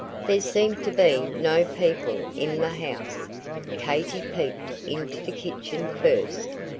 There seemed to be no people in the house, Katy peeped into the kitchen first.